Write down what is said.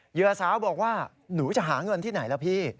เหยื่อสาวบอกว่าหนูจะหาเงินที่ไหนล่ะพี่